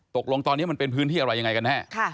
ตกลงตอนนี้มันเป็นพื้นที่อะไรยังไงกันแน่